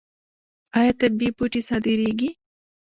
آیا طبیعي بوټي صادریږي؟